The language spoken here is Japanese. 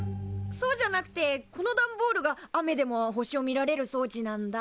そうじゃなくてこの段ボールが雨でも星を見られる装置なんだ。